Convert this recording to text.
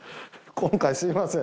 今回すいません